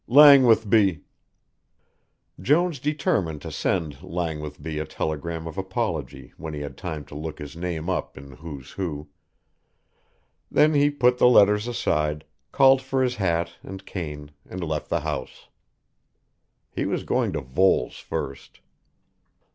"LANGWATHBY." Jones determined to send Langwathby a telegram of apology when he had time to look his name up in "Who's Who"; then he put the letters aside, called for his hat and cane and left the house. He was going to Voles first.